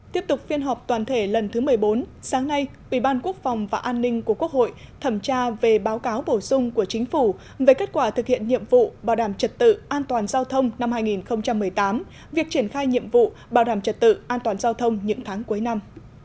tiếp tục phiên họp toàn thể lần thứ một mươi bốn sáng nay ủy ban quốc phòng và an ninh của quốc hội thẩm tra về báo cáo bổ sung của chính phủ về kết quả thực hiện nhiệm vụ bảo đảm trật tự an toàn giao thông năm hai nghìn một mươi tám việc triển khai nhiệm vụ bảo đảm trật tự an toàn giao thông những tháng cuối năm